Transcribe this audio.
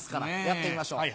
やってみましょう。